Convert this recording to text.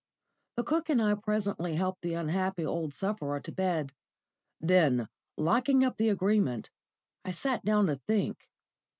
The cook and I presently helped the unhappy old sufferer to bed. Then, locking up the Agreement, I sat down to think.